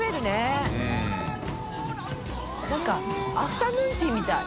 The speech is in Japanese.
井森）なんかアフタヌーンティーみたい。